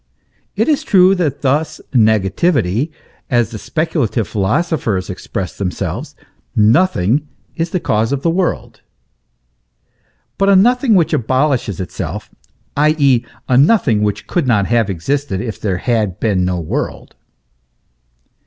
It is true that thus, negativity, as the speculative philosophers express themselves nothing is the cause of the world ; but a nothing which abolishes itself, i.e. a nothing which could not have existed if there had been no world.